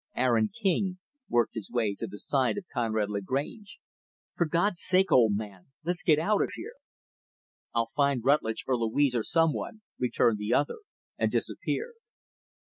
Aaron King worked his way to the side of Conrad Lagrange, "For God's sake, old man, let's get out of here." "I'll find Rutlidge or Louise or some one," returned the other, and disappeared.